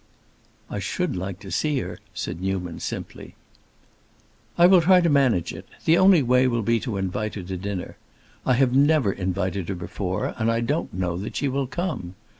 "I should like to see her," said Newman, simply. "I will try to manage it. The only way will be to invite her to dinner. I have never invited her before, and I don't know that she will come.